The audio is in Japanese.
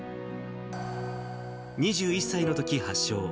２１歳のとき発症。